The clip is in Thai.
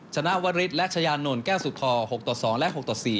ชนะวริสและชายานนท์แก้วสุธ๖ต่อ๒และ๖ต่อ๔